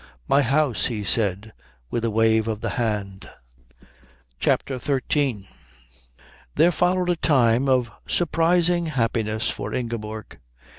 "My house," he said, with a wave of the hand. CHAPTER XIII There followed a time of surprising happiness for Ingeborg.